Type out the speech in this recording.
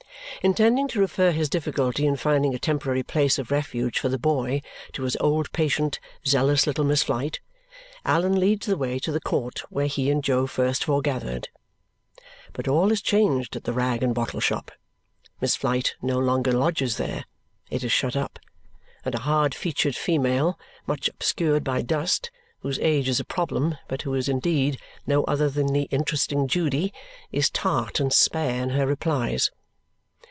Intending to refer his difficulty in finding a temporary place of refuge for the boy to his old patient, zealous little Miss Flite, Allan leads the way to the court where he and Jo first foregathered. But all is changed at the rag and bottle shop; Miss Flite no longer lodges there; it is shut up; and a hard featured female, much obscured by dust, whose age is a problem, but who is indeed no other than the interesting Judy, is tart and spare in her replies.